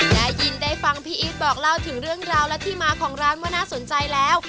ได้ยินได้ฟังพี่อีทบอกเล่าถึงเรื่องราวและที่มาของร้านว่าน่าสนใจแล้ว